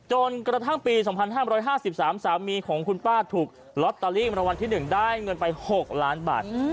จนกระทั่งปี๒๕๕๓สามีของคุณป้าถูกลอตเตอรี่มรางวัลที่๑ได้เงินไป๖ล้านบาท